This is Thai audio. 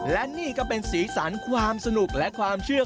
และนี่ก็เป็นสีสันความสนุกและความเชื่อ